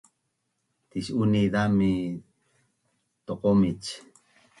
Tis’uni zami toqomic